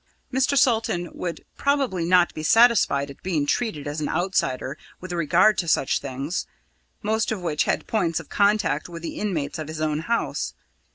Mr. Salton would certainly not be satisfied at being treated as an outsider with regard to such things, most of which had points of contact with the inmates of his own house.